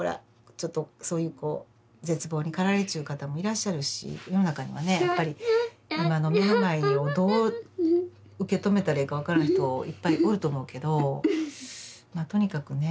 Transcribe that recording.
ちょっとそういうこう絶望に駆られちゅう方もいらっしゃるし世の中にはねやっぱり今の目の前をどう受け止めたらええか分からん人いっぱいおると思うけどとにかくね